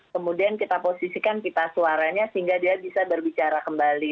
kemudian kita posisikan pita suaranya sehingga dia bisa berbicara kembali